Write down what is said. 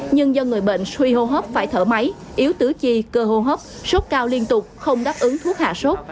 nhưng do người bệnh suy hô hấp phải thở máy yếu tứ chi cơ hô hấp sốt cao liên tục không đáp ứng thuốc hạ sốt